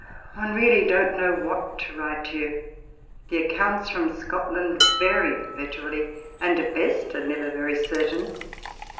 One really don't know what to write to you : the accounts from Scotland vary perpetually, and at best are never very certain.